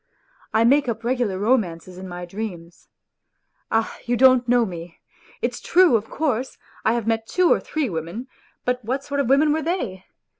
I make up regular romances in my dreams. Ah, you don't know me ! It's true, of course, I have met two or three 8 women, but what sort of women were they